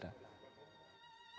dan hanya allah yang membuatnya sendiri